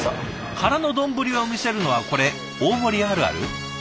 空の丼を見せるのはこれ大盛りあるある？